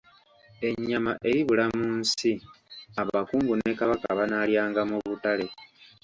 Ennyama eribula mu nsi, Abakungu ne Kabaka banaalyanga mu butale.